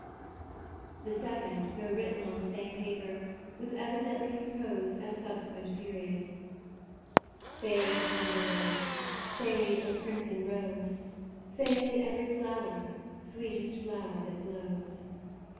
The second, though written on the same paper, was evidently com posed at a subsequent period : I2O MAUDE Fade, tender lily, Fade, Oh crimson rose, Fade every flower, Sweetest flower that blows.